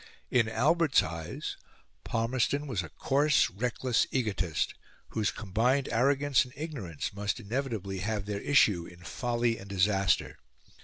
In Albert's eyes Palmerston was a coarse, reckless egotist, whose combined arrogance and ignorance must inevitably have their issue in folly and disaster.